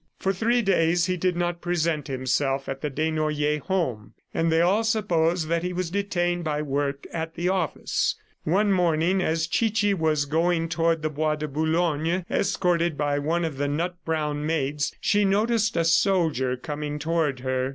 For three days he did not present himself at the Desnoyers' home, and they all supposed that he was detained by work at the office. One morning as Chichi was going toward the Bois de Boulogne, escorted by one of the nut brown maids, she noticed a soldier coming toward her.